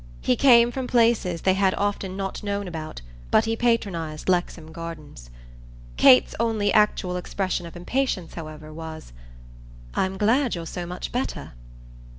He came from places they had often not known about, but he patronised Lexham Gardens. Kate's only actual expression of impatience, however, was "I'm glad you're so much better!"